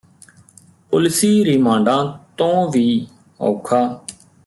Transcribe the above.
ਪੁਲਸੀ ਰੀਮਾਂਡਾਂ ਤੋਂ ਵੀ ਔਖਾ